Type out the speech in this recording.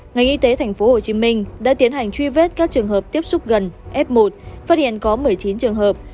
ngành y tế tp hcm đã tiến hành truy vết các trường hợp tiếp xúc gần f một phát hiện có một mươi chín trường hợp